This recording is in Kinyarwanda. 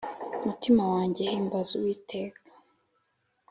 Mutima wanjye himbaza uwiteka